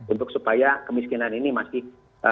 untuk supaya kemiskinan ini masih